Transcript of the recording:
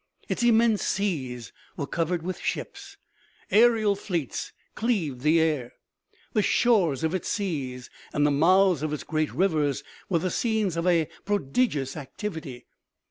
Its immense seas were covered with ships. Aerial fleets cleaved the air. The shores of its seas and the mouths of its great rivers were the scenes of a prodigious activity.